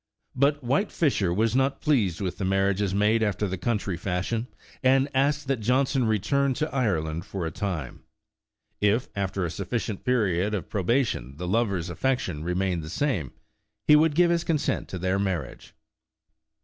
But ''White Fisher '^ was not pleased with the mar riages made after the country fashion, and asked that Johnson return to Ireland for a time. If, after a suf ficient period of probation, the lover's affection re mained the same, he would give his consent to their marriage.